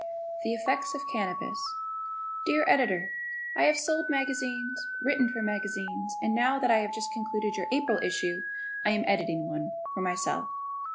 The Effects of Cannabis Dear Editor: I have sold magazines, written for magazines, and, now that I have just concluded your April issue, I am editing one for myself.